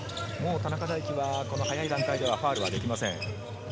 田中大貴は早い段階でもうファウルができません。